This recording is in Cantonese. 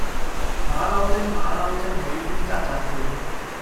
馬騮精馬騮精喜歡紮紮跳